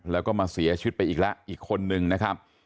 แล้วก็มาเสียชีวิตไปอีกแล้วอีกคนนึงนะครับ